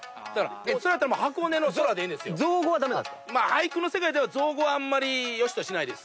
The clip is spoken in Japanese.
俳句の世界では造語はあんまりよしとしないです。